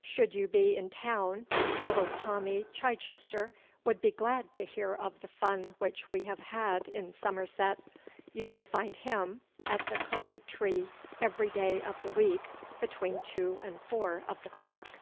Should you be in town, little Tommy Chichester would be glad to hear of the fun which we have had in Somerset. You will find him at the Coca Tree every day of the week between two and four of the clock.